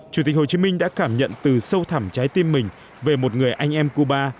chủ tịch hồ chí minh đã cảm nhận từ sâu thẳm trái tim mình về một người anh em cuba